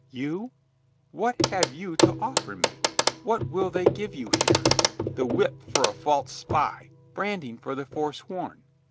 "You — what have you to offer me? What will they give you here? The whip for a false spy, branding for the foresworn.